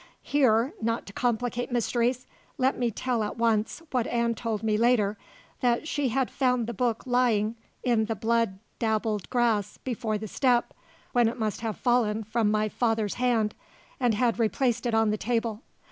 Here, not to complicate mysteries, let me tell at once what Ann told me later that she had found the book lying in the blood dabbled grass before the step, when it must have fallen from my father's hand, and had replaced it upon the table.